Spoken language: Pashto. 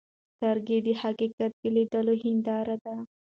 سترګې د حقیقت د لیدلو هنداره ده.